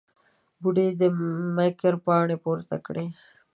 بوډۍ د مکر پاڼې پورته کړې.